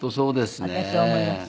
私そう思います。